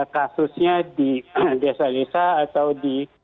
kasusnya di desa desa atau di